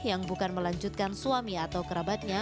yang bukan melanjutkan suami atau kerabatnya